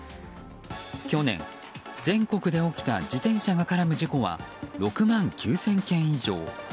去年、全国で起きた自転車が絡む事故は６万９０００件以上。